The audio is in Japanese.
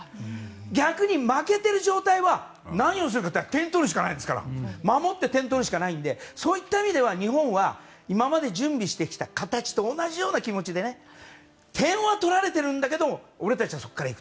逆に負けている状態は何をするかというと点取るしかないですから守って点を取るしかないのでそういった意味では日本は今まで準備してきた形と同じような気持ちで点を取られてはいるんだけれども俺たちはそこから行く。